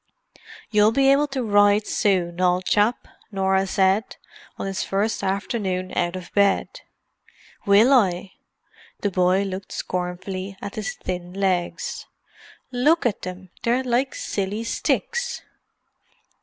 "You'll be able to ride soon, old chap," Norah said, on his first afternoon out of bed. "Will I?" The boy looked scornfully at his thin legs. "Look at them—they're like silly sticks!"